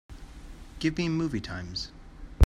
Give me movie times